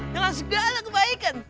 dengan segala kebaikan